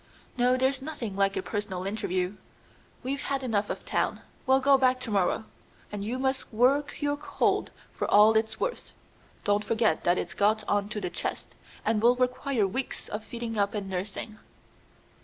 "No; there's nothing like a personal interview. We've had enough of town. We'll go back to morrow, and you must work your cold for all it's worth. Don't forget that it's got on to the chest, and will require weeks of feeding up and nursing."